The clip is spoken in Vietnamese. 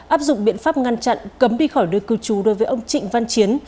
áp dụng biện pháp ngăn chặn cấm đi khỏi nơi cư trú đối với ông trịnh văn chiến